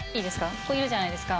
ここいるじゃないですか。